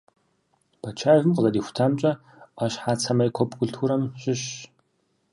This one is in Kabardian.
Батчаевым къызэрихутамкӀэ, Ӏуащхьацэ майкоп культурэм щыщщ.